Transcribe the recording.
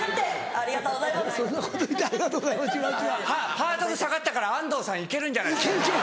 ハードル下がったから安藤さん行けるんじゃないですか。